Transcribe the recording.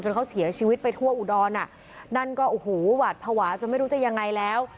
จนเขาเสียชีวิตไปทั่วอุดรนนั่นก็วาดผวาจะไม่รู้ว่าจะอย่างไรแล้ว